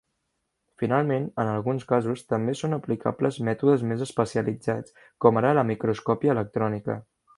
Finalment, en alguns casos també són aplicables mètodes més especialitzats com ara la microscopia electrònica.